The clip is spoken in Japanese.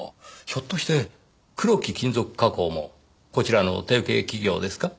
ひょっとしてクロキ金属加工もこちらの提携企業ですか？